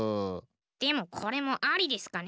でもこれもアリですかね。